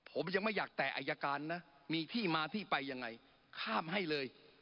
ผมยังไม่อยากแต่อายการนะมีที่มาที่ไปยังไงข้ามให้เลย